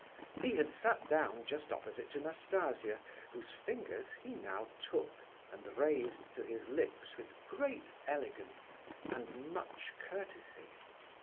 He had sat down just opposite to Nastasia, whose fingers he now took, and raised to his lips with great elegance, and much courtesy.